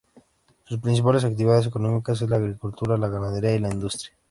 Su principal actividad económica es la agricultura, la ganadería y la industria.